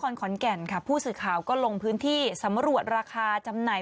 ขอนแก่นค่ะผู้สื่อข่าวก็ลงพื้นที่สำรวจราคาจำหน่าย